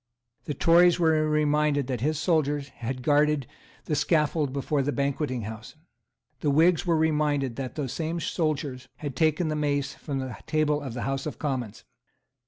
The Tories were reminded that his soldiers had guarded the scaffold before the Banqueting House. The Whigs were reminded that those same soldiers had taken the mace from the table of the House of Commons.